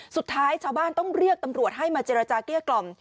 สุดท้ายชาวบ้านต้องเรียกตำรวจให้มาเจรจาเกลี้ยกล่อม